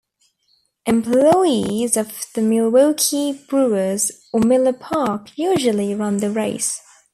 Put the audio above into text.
Employees of the Milwaukee Brewers or Miller Park usually run the race.